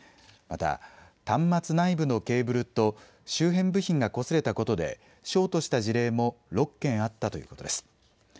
また、端末内部のケーブルと周辺部品がこすれたことでショートした事例も６件あったということです。